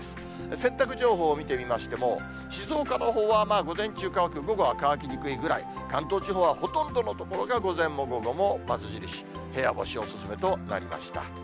洗濯情報を見てみましても、静岡のほうは午前中乾く、午後は乾きにくいぐらい、関東地方はほとんどの所が午前も午後も×印、部屋干しお勧めとなりました。